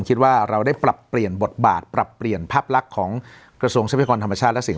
คิดว่าเราได้ปรับเปลี่ยนบทบาทปรับเปลี่ยนภาพลักษณ์ของกระทรวงทรัพยากรธรรมชาติและสิ่ง